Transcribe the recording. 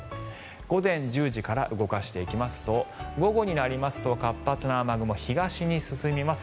午前１０時から動かしていきますと午後になりますと活発な雨雲、東に進みます。